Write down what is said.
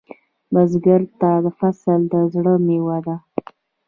بزګر ته فصل د زړۀ میوه ده